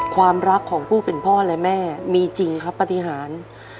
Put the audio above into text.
ความรักของผู้เป็นพ่อและแม่มีจริงครับปฏิหาร